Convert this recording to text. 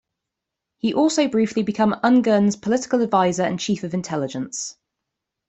He also briefly became Ungern's political advisor and chief of intelligence.